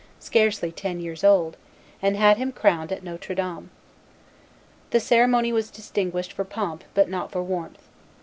scarcely ten years old, and had him crowned at Notre Dame. The ceremony was distinguished for pomp, but not for warmth.